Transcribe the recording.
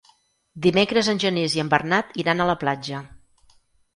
Dimecres en Genís i en Bernat iran a la platja.